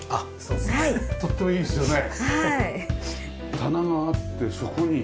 棚があってそこに。